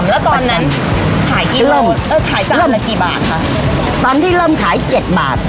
แล้วตอนนั้นขายกี่รอบเออขายสักรอบละกี่บาทคะตอนที่เริ่มขายเจ็ดบาท